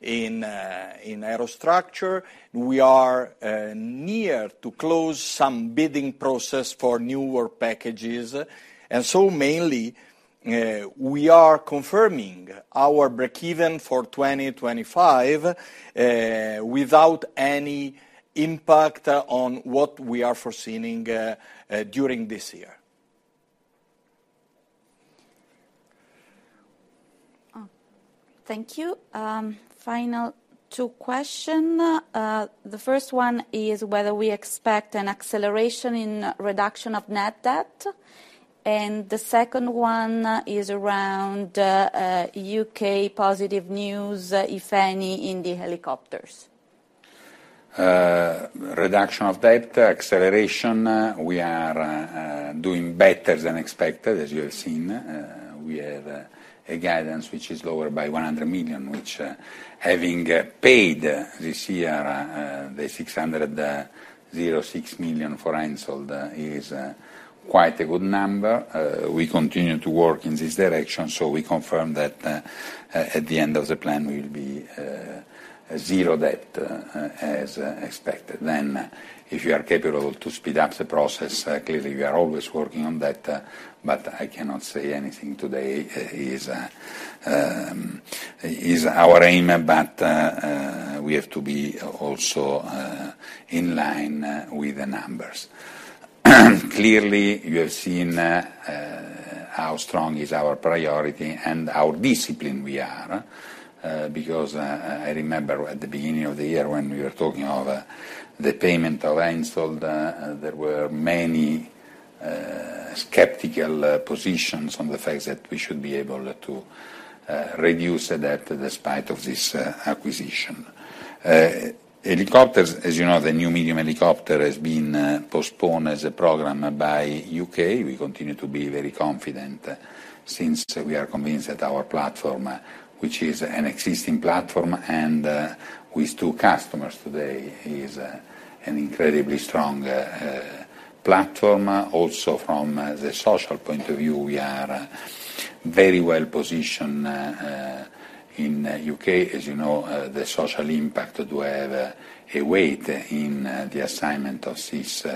in Aerostructures. We are near to close some bidding process for newer packages. Mainly, we are confirming our breakeven for 2025, without any impact on what we are foreseeing during this year.
Thank you. Final two question. The first one is whether we expect an acceleration in reduction of net debt. The second one is around U.K. positive news, if any, in the helicopters.
Reduction of debt, acceleration, we are doing better than expected, as you have seen. We have a guidance which is lower by EUR 100 million, which, having paid this year, the 606 million for HENSOLDT is, quite a good number. We continue to work in this direction, so we confirm that, at the end of the plan, we'll be zero debt, as expected. If you are capable to speed up the process, clearly, we are always working on that, but I cannot say anything today. It is our aim, but we have to be also in line with the numbers. Clearly, you have seen how strong is our priority and how disciplined we are, because I remember at the beginning of the year when we were talking of the payment of HENSOLDT, there were many skeptical positions on the fact that we should be able to reduce the debt despite of this acquisition. Helicopters, as you know, the new medium helicopter has been postponed as a program by U.K.. We continue to be very confident, since we are convinced that our platform, which is an existing platform and with two customers today, is an incredibly strong platform. Also from the social point of view, we are very well positioned in U.K.. As you know, the social impact do have a weight in the assignment of these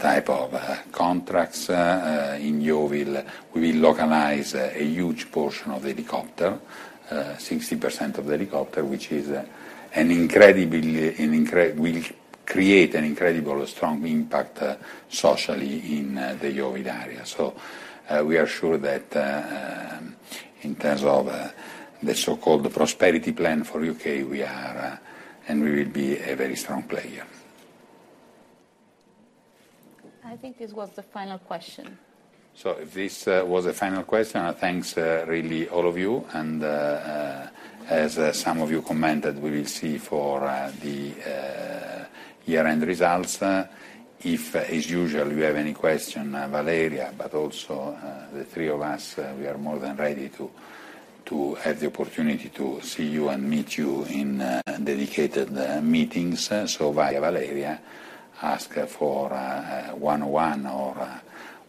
type of contracts in Yeovil. We localize a huge portion of the helicopter, 60% of the helicopter, which will create an incredible strong impact socially in the Yeovil area. We are sure that in terms of the so-called prosperity plan for U.K., we are and we will be a very strong player.
I think this was the final question.
If this was the final question, thanks, really, all of you. As some of you commented, we will see you for the year-end results. If, as usual, you have any question, Valeria, but also the three of us, we are more than ready to have the opportunity to see you and meet you in dedicated meetings. So by Valeria, ask her for one-on-one or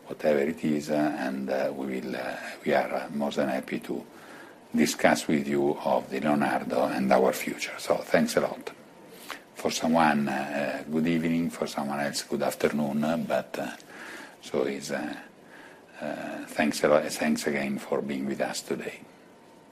whatever it is, and we are more than happy to discuss with you of the Leonardo and our future. Thanks a lot. For someone, good evening, for someone else, good afternoon. Thanks a lot, thanks again for being with us today.